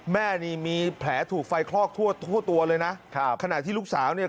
แม่นี่มีแผลถูกไฟคลอกทั่วทั่วตัวเลยนะครับขณะที่ลูกสาวเนี่ย